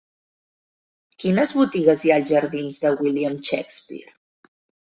Quines botigues hi ha als jardins de William Shakespeare?